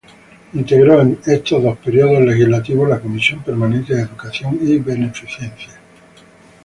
Integró en estos dos períodos legislativos la comisión permanente de educación y beneficencia.